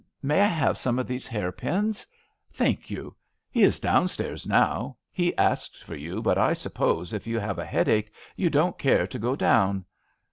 May I have some of these hairpins ? Thank you. He is downstairs now. He asked for you, but I suppose if you have a headache you won't care to go down."